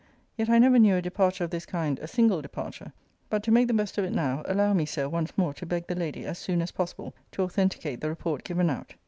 Yet I never knew a departure of this kind a single departure. But, to make the best of it now, allow me, Sir, once more to beg the lady, as soon as possible, to authenticate the report given out.